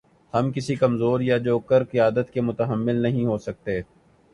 ہم کسی کمزور یا جوکر قیادت کے متحمل نہیں ہو سکتے۔